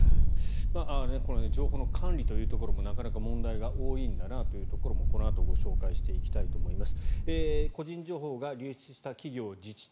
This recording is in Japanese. この情報の管理というところもなかなか問題が多いんだなというのもこのあとご紹介していきたいと思います。